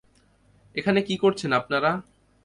এখানে কী করছেন আপনারা?